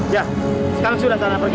ya sekarang ke sana pergi